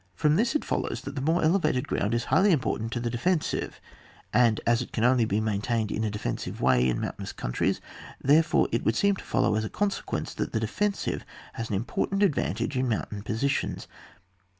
From this it follows that the more elevated ground is highly important to the defensive, and as it can only be maintained in a decisive way in moun tainous countries, therefore it would seem to follow, as a consequence, that the defensive has an important advan tage in mountain positions.